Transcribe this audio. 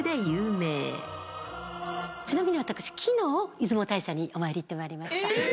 ちなみに私昨日出雲大社にお参り行ってまいりました。